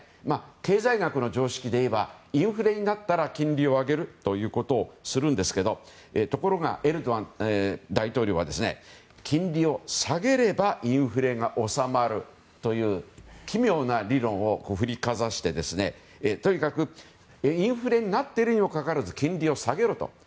経済学の常識でいえばインフレになったら金利を上げるということをするんですけどところが、エルドアン大統領は金利を下げればインフレが収まるという奇妙な理論を振りかざしてとにかくインフレになっているにもかかわらず金利を下げろと。